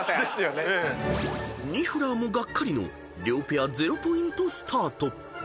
［ニフラーもがっかりの両ペア０ポイントスタート］